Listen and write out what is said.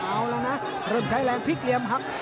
เอาแล้วนะเริ่มใช้แรงพลิกเหลี่ยมหัก